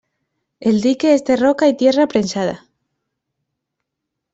El dique es de roca y tierra prensada.